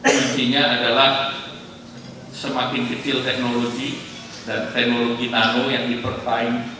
kuncinya adalah semakin kecil teknologi dan teknologi nano yang hipertyme